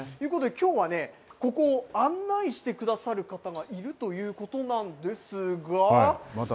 きょうはね、ここを案内してくださる方がいるということなんですが。